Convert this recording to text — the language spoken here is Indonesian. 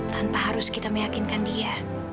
tanpa harus kita meyakinkan dia